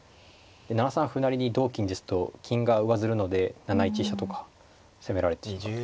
７三歩成に同金ですと金が上ずるので７一飛車とか攻められてしまう。